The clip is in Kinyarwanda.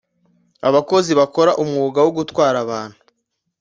abakozi bakora umwuga wo gutwara abantu